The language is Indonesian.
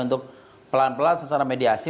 untuk pelan pelan secara mediasi